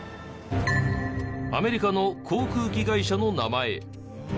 アメリカの航空機会社の名前。